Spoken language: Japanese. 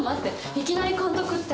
いきなり監督って。